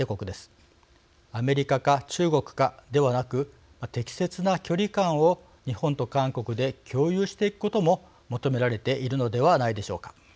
アメリカか中国かではなく適切な距離感を日本と韓国で共有していくことも求められているのではないでしょうか。